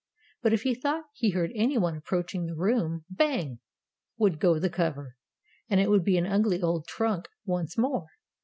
But if he thought he heard anyone approaching the ^room, bang! would go the cover, and it would be an ugly old trunk once more.